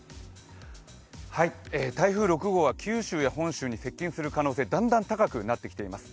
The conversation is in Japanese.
台風６号は九州に近づく可能性がだんだん高くなってきています。